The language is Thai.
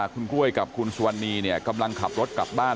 คุณกล้วยกับคุณสุวรรณีเนี่ยกำลังขับรถกลับบ้าน